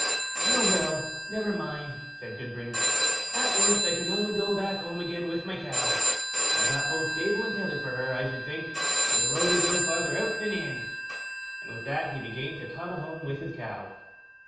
"Well! well! never mind", said Gudbrand, "at the worst, I can only go back home again with my cow. I've both stable and tether for her, I should think, and the road is no farther out than in"; and with that he began to toddle home with his cow.